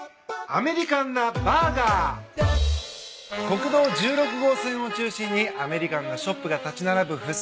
国道１６号線を中心にアメリカンなショップが立ち並ぶ。